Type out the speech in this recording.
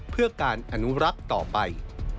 เพื่อการอนุรักษ์ต่อไป